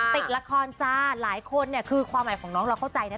ติดละครจ้าหลายคนเนี่ยคือความหมายของน้องเราเข้าใจนะ